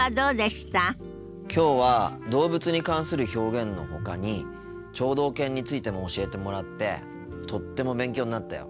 きょうは動物に関する表現のほかに聴導犬についても教えてもらってとっても勉強になったよ。